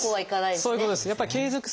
そういうことです！